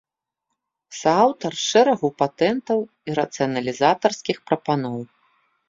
Сааўтар шэрагу патэнтаў і рацыяналізатарскіх прапаноў.